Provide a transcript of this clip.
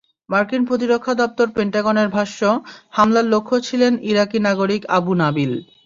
মার্কিন প্রতিরক্ষা দপ্তর পেন্টাগনের ভাষ্য, হামলার লক্ষ্য ছিলেন ইরাকি নাগরিক আবু নাবিল।